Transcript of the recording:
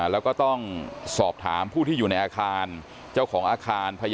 แล้วก็ต้องสอบถามผู้ที่อยู่ในอาคารเจ้าของอาคาร